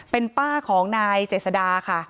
เป็นป้าของนายเจษดาค่ะ